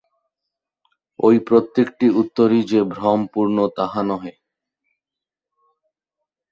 ঐ প্রত্যেকটি উত্তরই যে ভ্রমপূর্ণ, তাহা নহে।